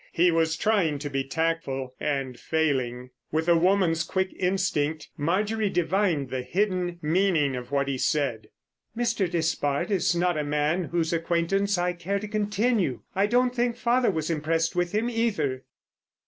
He was trying to be tactful, and failing. With a woman's quick instinct Marjorie divined the hidden meaning of what he said. "Mr. Despard is not a man whose acquaintance I care to continue. I don't think father was impressed with him, either."